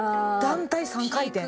団体３回転。